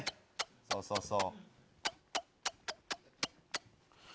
そうそうそう。